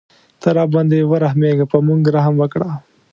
ته راباندې ورحمېږه په موږ رحم وکړه.